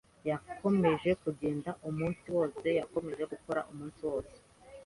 Yakomeje kugenda umunsi wose. Yakomeje gukora umunsi wose.